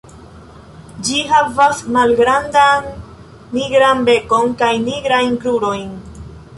Ĝi havas malgrandan nigran bekon kaj nigrajn krurojn.